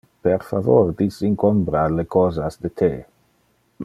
Per favor disincombra le cosas de the.